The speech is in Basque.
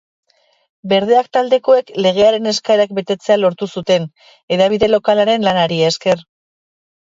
Berdeak taldekoek legearen eskaerak betetzea lortu zuten, hedabide lokalen lanari esker.